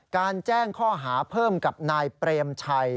แจ้งข้อหาเพิ่มกับนายเปรมชัย